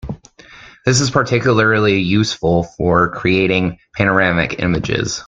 This is particularly useful for creating panoramic images.